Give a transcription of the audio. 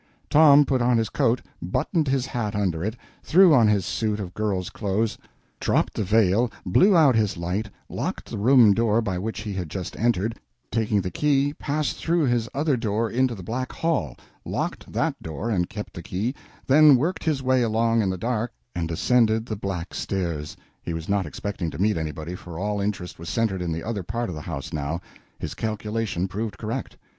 Tom put on his coat, buttoned his hat under it, threw on his suit of girl's clothes, dropped the veil, blew out his light, locked the room door by which he had just entered, taking the key, passed through his other door into the back hall, locked that door and kept the key, then worked his way along in the dark and descended the back stairs. He was not expecting to meet anybody, for all interest was centered in the other part of the house, now; his calculation proved correct.